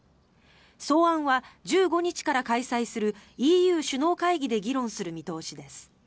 草案は１５日から開催するＥＵ首脳会議で議論する見通しです。